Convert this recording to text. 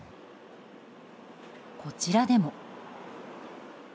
こちらでも。